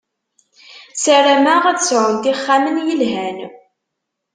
Sarameɣ ad sɛunt ixxamen yelhan.